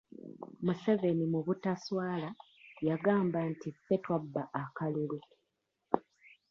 Museveni mu butaswala yagamba nti ffe twabba akalulu.